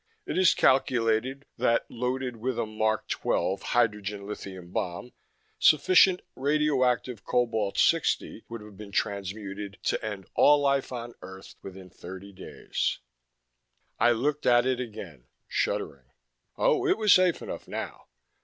It is calculated that, loaded with a Mark XII hydrogen lithium bomb, sufficient radioactive Cobalt 60 would have been transmuted to end all life on Earth within thirty days._ I looked at it again, shuddering. Oh, it was safe enough now.